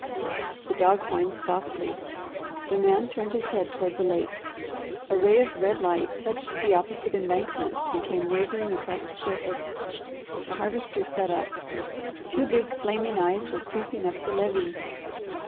The dog whined softly. The man turned his head toward the lake. A ray of red light touched the opposite embankment and came wavering across the surface. The Harvester sat up. Two big, flaming eyes were creeping up the levee.